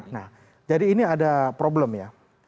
nah jadi ini ada problem ya